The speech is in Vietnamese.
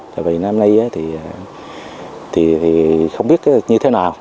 tại vì năm nay thì không biết như thế nào